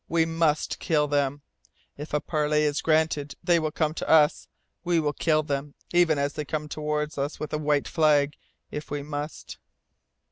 We must kill them. If a parley is granted, they will come to us. We will kill them even as they come toward us with a white flag, if we must!"